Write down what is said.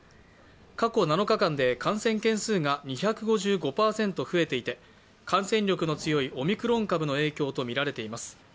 過去７日間で感染件数が２５５％増えていて感染力の強いオミクロン株の影響とみられています。